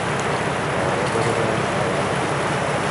Má radarové navádění.